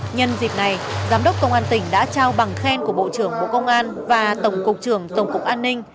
nhân dịp này giám đốc công an tỉnh đã trao bằng khen của bộ trưởng bộ công an và tổng cục trưởng tổng cục an ninh